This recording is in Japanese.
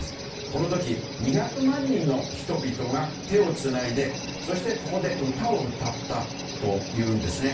この時、２００万人の人々が手をつないでそして、ここで歌を歌ったというんですね。